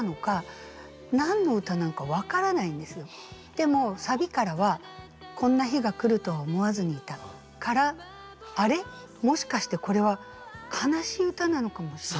でもサビからは「こんな日が来るとは思わずにいた」から「あれ？もしかしてこれは悲しい歌なのかもしれない」。